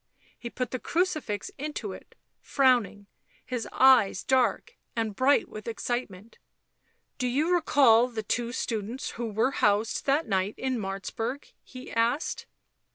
He put the crucifix into it, frowning, his eyes dark and bright with excitement. " Do you recall the two students who were housed that night in Martzburg ?" he asked.